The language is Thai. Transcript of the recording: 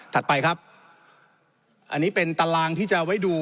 ไปครับอันนี้เป็นตารางที่จะไว้ดู